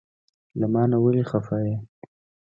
له مانه ولې خفه یی؟